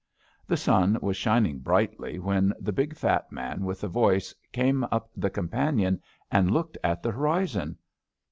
The sun was shining brightly when the big fat 72 IT! 73 man with the voice came up the companion and looked at the horizon.